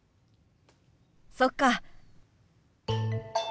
そっか。